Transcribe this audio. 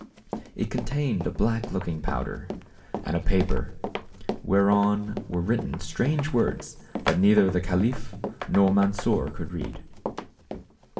It contained a black looking powder and a paper, whereon were written strange words which neither the caliph nor Mansor could read.